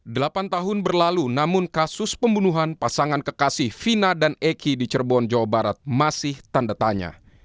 delapan tahun berlalu namun kasus pembunuhan pasangan kekasih fina dan eki di cirebon jawa barat masih tanda tanya